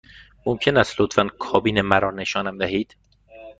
ممکن است لطفاً کابین مرا نشانم دهید؟